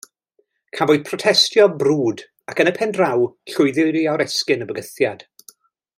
Cafwyd protestio brwd ac yn y pen draw, llwyddwyd i oresgyn y bygythiad.